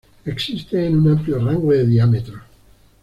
Existen en un amplio rango de diámetros.